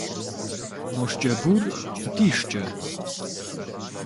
Мо шкӏэ бур ди шкӏэ?